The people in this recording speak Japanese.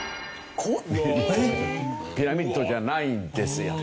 ピラミッドじゃないんですよ。